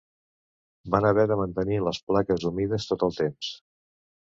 Van haver de mantenir les plaques humides tot el temps.